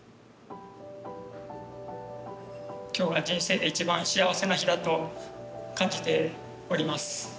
今日は人生で一番幸せな日だと感じております。